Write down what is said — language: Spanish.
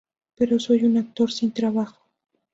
Pero soy un actor sin trabajo.